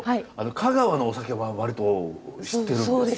香川のお酒はわりと知ってるんです。